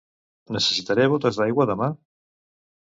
Necessitaré botes d'aigua demà?